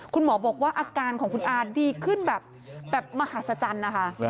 คุณหมอบอกว่าอาการของคุณอาดีขึ้นแบบมหาศจรรย์นะคะ